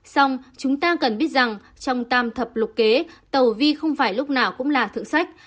xong chúng ta cần biết rằng trong tam thập lục kế tàu vi không phải lúc nào cũng là thượng sách